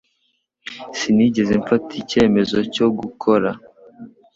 Sinigeze mfata icyemezo cyo gukora